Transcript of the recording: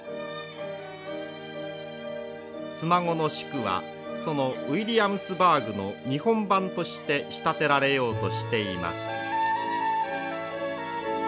妻籠宿はそのウィリアムズバーグの日本版として仕立てられようとしています。